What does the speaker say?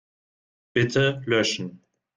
Bitte löschen.